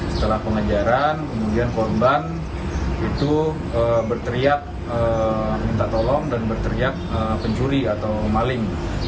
setelah pengejaran kemudian korban itu berteriak minta tolong dan berteriak pencuri atau maling